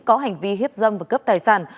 có hành vi hiếp dâm và cướp tài sản